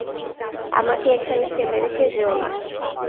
আমাকে এখানে ফেলে রেখে যেয়ো না।